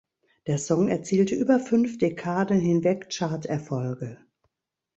Der Song erzielte über fünf Dekaden hinweg Chart-Erfolge.